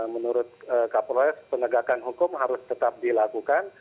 menurut kapolres penegakan hukum harus tetap dilakukan